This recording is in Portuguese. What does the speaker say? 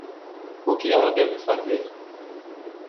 O que ela deve fazer?